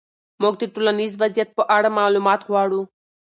موږ د ټولنیز وضعیت په اړه معلومات غواړو.